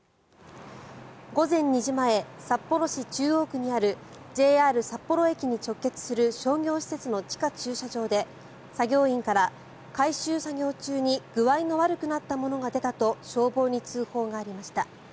午前２時前、札幌市中央区にあるＪＲ札幌駅に直結する商業施設の地下駐車場で作業員から、改修作業中に具合の悪くなった者が出たと消防に通報がありました。